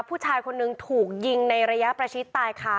ผู้ชายคนหนึ่งถูกยิงในระยะประชิดตายค่ะ